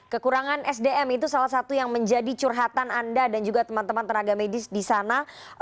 kekurangan sdm itu salah satu yang menjadi curhatan anda dan juga teman teman tenaga medis di sana